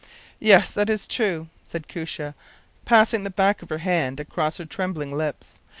” “Yes, that is true,” said Koosje, passing the back of her hand across her trembling lips.